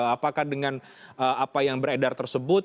apakah dengan apa yang beredar tersebut